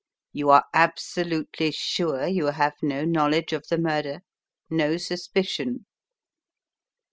"You are absolutely sure you have no knowledge of the murder, no suspicion?"